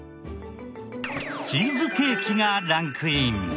チーズケーキがランクイン。